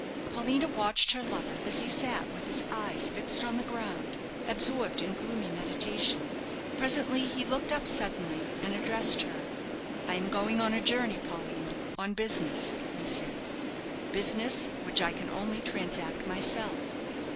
Paulina watched her lover as he sat with his eyes fixed on the ground, absorbed in gloomy meditation. Presently he looked up suddenly, and addressed her. "I am going on a journey, Paulina, on business," he said; "business, which I can only transact myself.